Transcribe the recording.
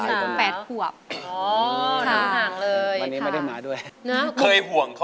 อายุ๒๔ปีวันนี้บุ๋มนะคะ